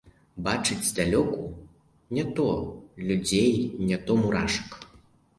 Бачыць здалёку не то людзей, не то мурашак.